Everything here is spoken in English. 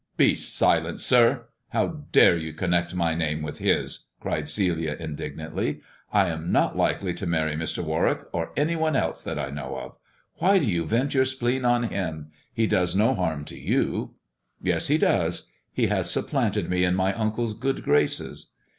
Be silent, sir ! How dare you connect my name with his 1 " cried Celia indignantly. I am not likely to marry Mr. Warwick, or any one else, that I know of. Why do you vent your spleen on him 1 He does no harm to you." "Yes, he does. He has supplanted me in my uncle's good graces.